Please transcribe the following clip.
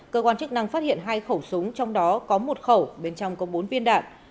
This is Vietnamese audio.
cơ quan chức năng phát hiện hai khẩu súng trong đó có một khẩu bên trong có bốn viên đạn